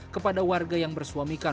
kepada warga yang bersuamikan